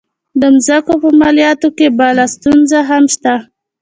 د مځکو په مالیاتو کې بله ستونزه هم شته.